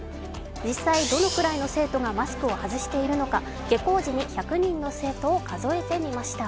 実際、どのくらいの生徒がマスクを外しているのか下校時に１００人の生徒を数えてみました。